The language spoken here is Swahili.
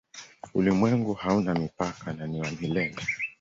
Ulimwengu hauna mipaka na ni wa milele.